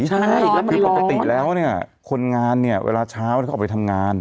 ใช่แล้วคือปกติแล้วเนี่ยคนงานเนี่ยเวลาเช้าเขาออกไปทำงาน